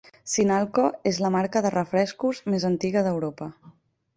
Sinalco és la marca de refrescos més antiga d'Europa.